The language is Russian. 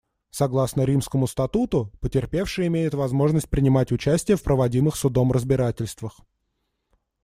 Согласно Римскому статуту, потерпевшие имеют возможность принимать участие в проводимых Судом разбирательствах.